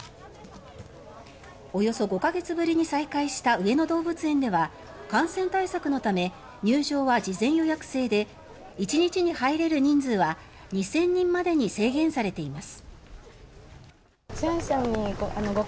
およそ５か月ぶりに再開した上野動物園では感染対策のため入場は事前予約制で１日には入れる人数は２０００人までに制限されています。